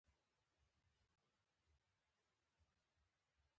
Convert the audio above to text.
څو زده کوونکي دې متن په غور سره ولولي.